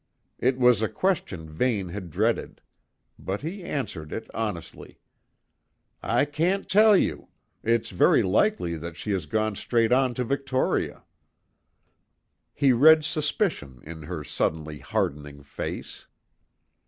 It was a question Vane had dreaded; but he answered it honestly: "I can't tell you. It's very likely that she has gone straight on to Victoria." He read suspicion in her suddenly hardening face.